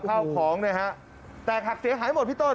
เผ่าของแตกหักเสียหายหมดพี่ต้น